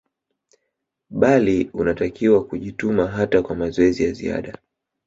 bali unatakiwa kujituma hata kwa mazoezi ya ziada